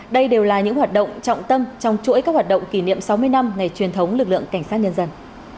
đây đều là những hoạt động trọng tâm trong chuỗi các hoạt động kỷ niệm sáu mươi năm ngày truyền thống lực lượng cảnh sát nhân dân